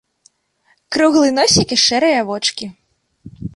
Круглы носік і шэрыя вочкі.